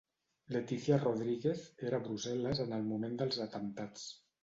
Letícia Rodríguez era a Brussel·les en el moment dels atemptats